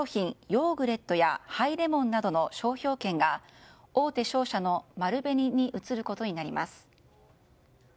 ヨーグレットやハイレモンなどの商標権が大手商社の丸紅に移ることになります。